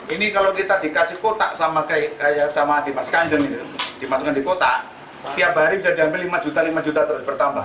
ini kalau kita dikasih kotak sama dimas kanjeng dimasukkan di kotak setiap hari bisa diambil rp lima bertambah